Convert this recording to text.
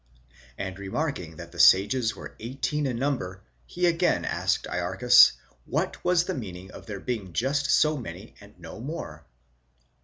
And remarking that the sages were eighteen in number, he again asked Iarchas, what was the meaning of their being just so many and no more.